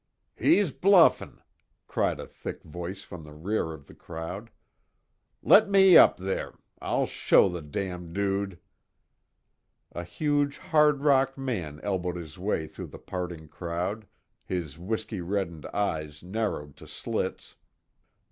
"He's bluffin'," cried a thick voice from the rear of the crowd, "Let me up there. I'll show the damn dude!" A huge hard rock man elbowed his way through the parting crowd, his whiskey reddened eyes narrowed to slits.